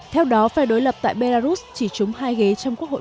theo đó phe đối lập tại belarus chỉ trúng hai ghế trong quốc hội